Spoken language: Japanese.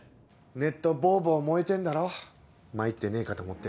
ネットボボ燃えてんだろ参ってねえかと思って。